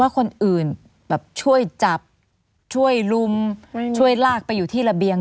คนอื่นแบบช่วยจับช่วยลุมช่วยลากไปอยู่ที่ระเบียง